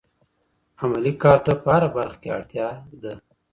عملي کار ته په هره برخه کي اړتیا ده.